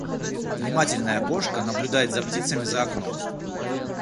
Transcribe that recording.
Внимательная кошка наблюдает за птицами за окном